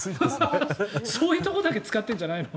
そういうところだけ使ってるんじゃないの？